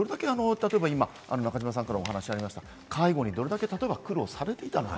今、中島さんからお話ありましたが、介護にどれだけ苦労されていたのか？